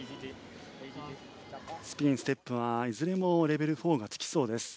スピン、ステップはいずれもレベル４がつきそうです。